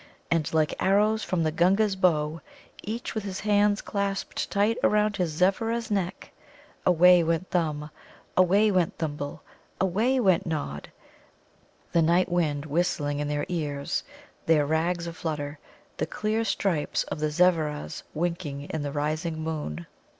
And, like arrows from the Gunga's bow, each with his hands clasped tight about his Zevvera's neck, away went Thumb, away went Thimble, away went Nod, the night wind whistling in their ears, their rags a flutter, the clear stripes of the Zevveras winking in the rising moon.